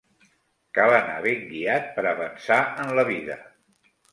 Cal anar ben guiat per avançar en la vida.